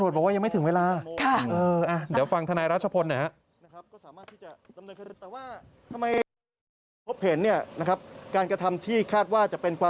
เดี๋ยวนะ